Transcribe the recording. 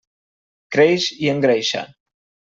Creix i engreixa.